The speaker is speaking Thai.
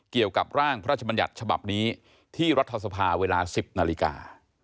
เกี่ยวกับร่างพระราชบัญญัติฉบับนี้ที่รัฐสภาเวลา๑๐นาฬิกา